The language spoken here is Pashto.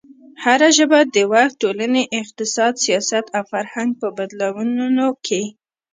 هره ژبه د وخت، ټولنې، اقتصاد، سیاست او فرهنګ په بدلونونو کې